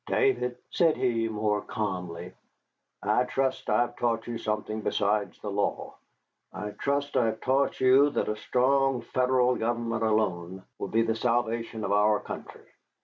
"David," said he, more calmly, "I trust I have taught you something besides the law. I trust I have taught you that a strong Federal government alone will be the salvation of our country."